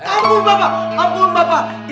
ampun bapak ampun bapak